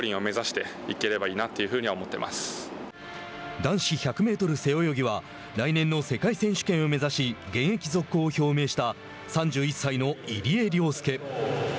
男子１００メートル背泳ぎは来年の世界選手権を目指し現役続行を表明した３１歳の入江陵介。